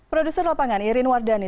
produser lapangan irin wardani